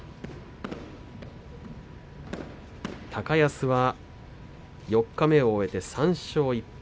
高安は四日目を終えて３勝１敗。